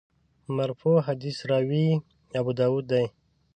مرفوع حدیث راوي ابوداوود دی.